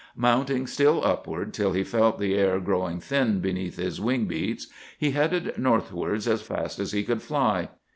Mounting still upward till he felt the air growing thin beneath his wing beats, he headed northwards as fast as he could fly.